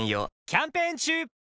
キャンペーン中！